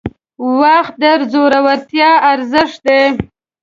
• وخت د زړورتیا ارزښت دی.